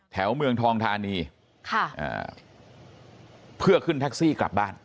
เมืองทองทานีเพื่อขึ้นแท็กซี่กลับบ้าน